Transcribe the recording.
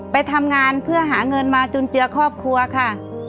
ไปทำงานเพื่อหาเงินมาจุนเจือครอบครัวค่ะ